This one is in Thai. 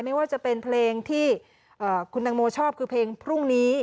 ไม่ว่าจะเป็นเพลงที่คุณตังโมชอบคือเพลงพรุ่งนี้